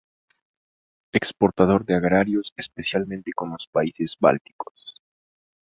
Exportador de agrarios, especialmente con los países Bálticos.